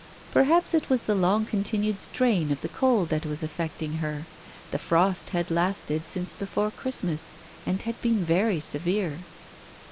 Perhaps it was the long continued strain of the cold that was affecting her. The frost had lasted since before Christmas, and had been very severe.